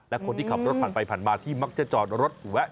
และคนที่ขับรถผ่านไปผ่านมาที่มักจะจอดรถแวะ